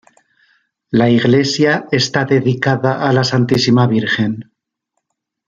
La iglesia está dedicada a la Santísima Virgen.